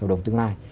hợp đồng tương lai